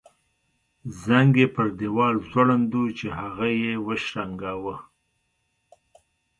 زنګ یې پر دیوال ځوړند وو چې هغه یې وشرنګاوه.